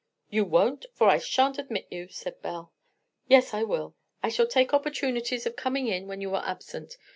"You won't; for I shan't admit you," said Belle. "Yes, I will. I shall take opportunities of coming in when you are absent.